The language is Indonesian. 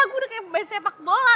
gue udah kaya pemain sepak bola